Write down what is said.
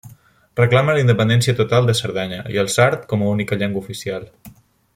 Reclama la independència total de Sardenya i el sard com a única llengua oficial.